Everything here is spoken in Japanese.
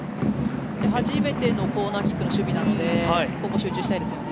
初めてのコーナーキックの守備なのでここは集中したいですよね。